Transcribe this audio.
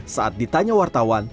saat ditanya wartawan